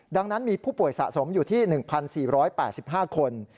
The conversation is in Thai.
ดังนั้นมีผู้ป่วยสะสมอยู่ที่๑๔๘๕คน